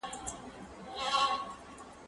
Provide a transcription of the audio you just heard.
زه لاس مينځلي دي؟